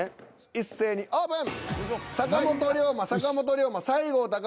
一斉にオープン。